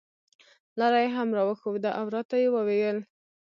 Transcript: لاره یې هم راښوده او راته یې وویل.